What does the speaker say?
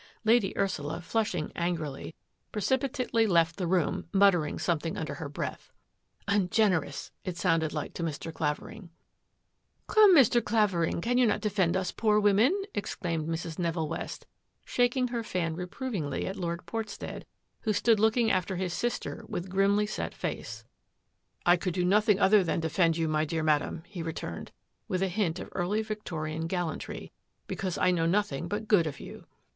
Lady Ursula, flushing angrily, precipitately left the room, muttering something under her breath. " Ungenerous !" it sounded like to Mr. Claver ing. " Come, Mr. Clavering, cannot you defend us poor women? " exclaimed Mrs. Neville West, shak ing her fan reprovingly at Lord Portstead, who stood looking after his sister with grimly set face. " I could not do other than defend you, my dear Madame," he returned, with a hint of early Vic torian gallantry, " because I know nothing but good of you."